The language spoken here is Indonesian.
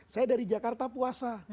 saya dari jakarta puasa